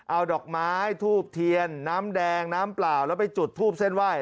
เอาดอกไม้ทูบเทียนน้ำแดงน้ำเปล่าแล้วไปจุดทูบเส้นไหว้